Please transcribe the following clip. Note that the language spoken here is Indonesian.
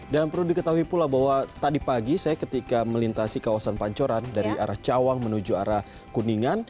dan perlu diketahui pula bahwa tadi pagi saya ketika melintasi kawasan pancoran dari arah cawang menuju arah kuningan